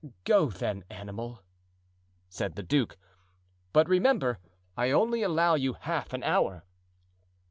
"Go, then, animal," said the duke; "but remember, I only allow you half an hour."